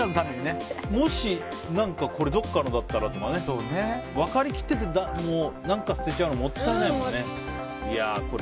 もし、これどこかのだったらたとかね。分かりきってて、捨てちゃうのもったいないもんね。